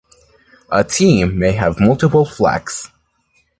A team may have multiple flags.